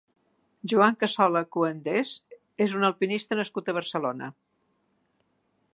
Joan Cassola Coenders és un alpinista nascut a Barcelona.